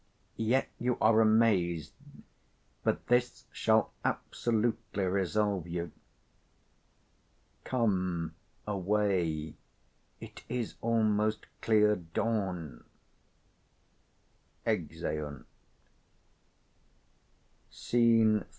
Yet you are amazed; but this shall absolutely resolve you. Come away; it is almost clear dawn. [Exeunt. NOTES: IV, 2.